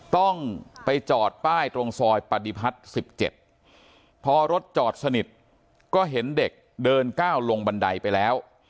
ต้องไปจอดป้ายตรงซอยปฏิพัฒน์๑๗พอรถจอดสนิทก็เห็นเด็กเดินก้าวลงบันไดไปแล้ว